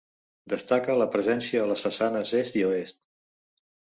Destaca la presència a les façanes est i oest.